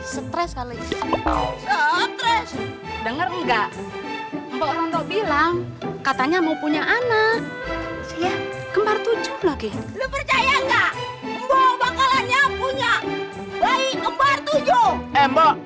stress kali denger nggak bilang katanya mau punya anak kembar tujuh lagi percaya nggak